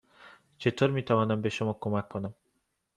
چطور می توانم به شما کمک کنم؟